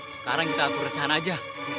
sekarang kita atur recahan aja